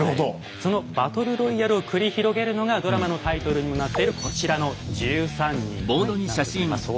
そのバトルロイヤルを繰り広げるのがドラマのタイトルにもなっているこちらの１３人なんですね。